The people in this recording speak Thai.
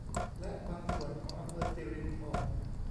และบางส่วนของอำเภอสิรินธร